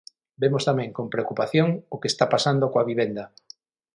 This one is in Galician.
Vemos tamén con preocupación o que está pasando coa vivenda.